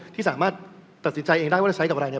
ที่สามารถตัดสินใจได้ว่าจะใช้กับอะไร